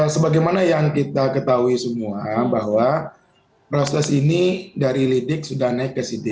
sebagaimana yang kita ketahui semua bahwa proses ini dari lidik sudah naik ke city